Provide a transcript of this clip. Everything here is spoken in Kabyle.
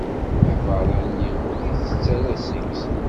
Abeṛṛani ur itett ara seg-s.